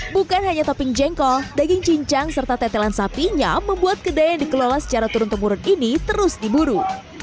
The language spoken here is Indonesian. bukan hanya topping jengkol daging cincang serta tetelan sapinya membuat kedai yang dikelola secara turun temurun ini terus diburu